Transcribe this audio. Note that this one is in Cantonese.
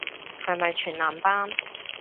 係咪全男班